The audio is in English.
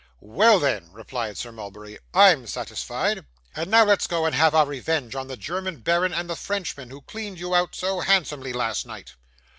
'Well then,' replied Sir Mulberry, 'I'm satisfied. And now let's go and have our revenge on the German baron and the Frenchman, who cleaned you out so handsomely last night.